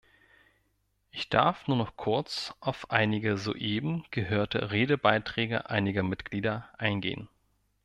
Ich darf nur noch kurz auf einige soeben gehörte Redebeiträge einiger Mitglieder eingehen.